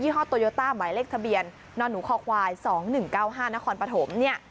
ที่ห้อโตโยต้าหมายเลขทะเบียนนอนหนูขอกวายสองหนึ่งเก้าห้านครปัถผมเนี้ย